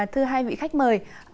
thưa hai vị khách mời